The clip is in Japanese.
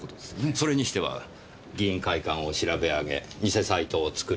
それにしては議員会館を調べ上げ偽サイトを作り